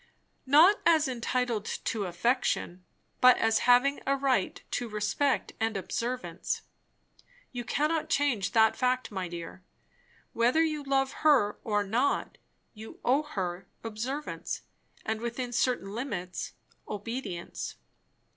"Not as entitled to affection, but as having a right to respect and observance. You cannot change that fact, my dear. Whether you love her or not, you owe her observance; and within certain limits, obedience.